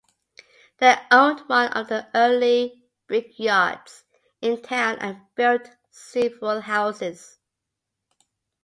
They owned one of the early brickyards in town and built several houses.